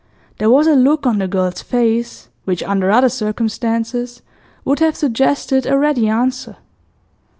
There was a look on the girl's face which, under other circumstances, would have suggested a ready answer.